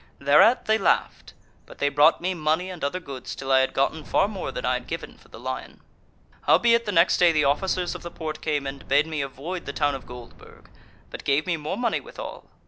Thereat they laughed: but they brought me money and other goods, till I had gotten far more than I had given for the lion. "Howbeit the next day the officers of the Porte came and bade me avoid the town of Goldburg, but gave me more money withal.